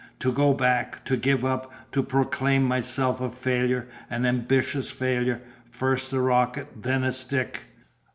To go back, to give up, to proclaim myself a failure, an ambitious failure, first a rocket, then a stick!